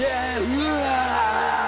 うわ！